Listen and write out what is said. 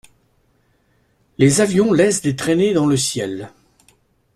Les avions laissent des traînées dans le ciel.